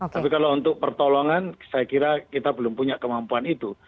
tapi kalau untuk pertolongan saya kira kita belum punya kemampuan itu